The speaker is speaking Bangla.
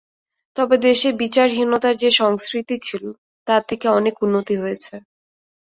তবে দেশে বিচারহীনতার যে সংস্কৃতি ছিল, তা থেকে অনেক উন্নতি হয়েছে।